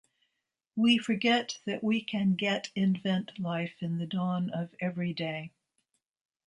We forget that we can get invent life in the dawn of every day.